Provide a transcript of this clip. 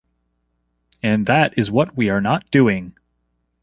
And that is what we are not doing.